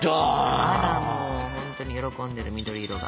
あらもう本当に喜んでる緑色が。